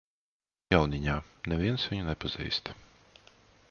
Jauniņā, neviens viņu nepazīst.